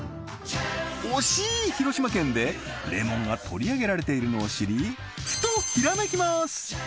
「おしい！広島県」でレモンが取り上げられているのを知りふとひらめきます！